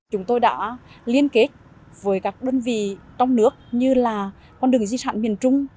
chúng tôi đã liên kết với các đơn vị trong nước như là con đường di sản miền trung